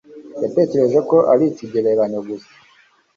yatekereje ko ari ikigereranyo gusa